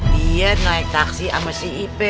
dia naik taksi sama si ip